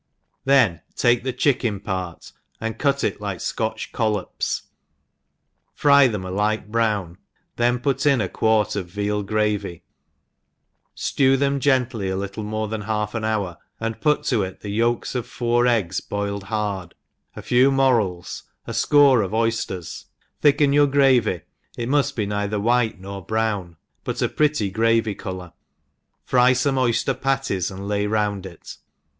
Then take the chicken part, and cut it like Scotch collops, fry them a light brown, then put in a quart of veal gravy, flew them gently a little more than half an hour, and put to it the yolks of four eggs boiled hard, a few mo rels, a fcoreof oyflers; thicken your gravy, it mufl be neither white nor brown, but a pretty gravy colour ; fry fome oy fler patties and lay round it.